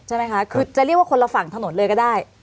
ใช่ไหมคะคือจะเรียกว่าคนละฝั่งถนนเลยก็ได้